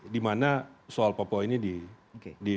dimana soal papua ini dibawa juga oleh beberapa orang